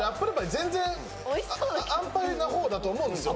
全然安パイな方だと思うんですよ